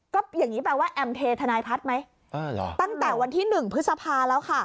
ก็อย่างนี้แปลว่าแอมเททนายพัฒน์ไหมตั้งแต่วันที่๑พฤษภาแล้วค่ะ